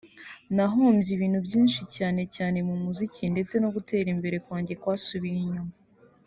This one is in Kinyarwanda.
nahombye ibintu byinshi cyane cyane mu muziki ndetse no gutera imbere kwanjye kwasubiye inyuma